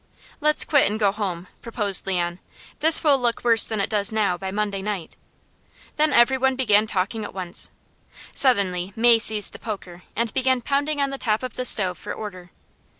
"Let's quit and go home," proposed Leon. "This will look worse than it does now by Monday night." Then every one began talking at once. Suddenly May seized the poker and began pounding on the top of the stove for order.